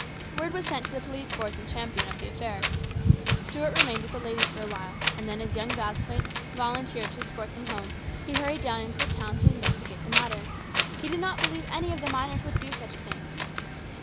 Word was sent to the police force in Champion of the affair. Stuart remained with the ladies for a while, and then, as young Vasplaine volunteered to escort them home, he hurried down into the town to investigate the matter. He did not believe any of the miners would do such a thing.